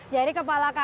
jadi kepala kambing